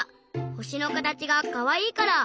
ほしのかたちがかわいいから。